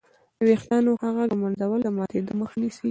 د وېښتانو ښه ږمنځول د ماتېدو مخه نیسي.